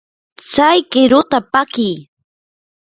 tsay qiruta pakii.